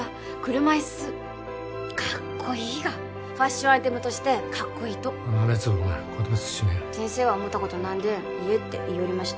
車椅子かっこいいがファッションアイテムとしてかっこいいとおい豆粒お前言葉慎めよ先生は思ったこと何でん言えって言いよれまし